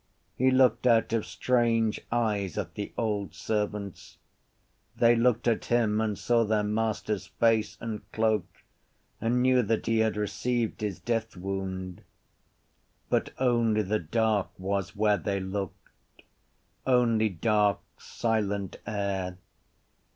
He looked out of strange eyes at the old servants. They looked at him and saw their master’s face and cloak and knew that he had received his deathwound. But only the dark was where they looked: only dark silent air.